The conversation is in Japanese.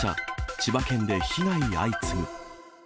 千葉県で被害相次ぐ。